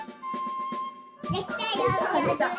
できたよ！